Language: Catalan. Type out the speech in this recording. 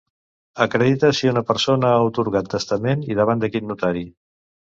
Acredita si una persona ha atorgat testament i davant de quin notari.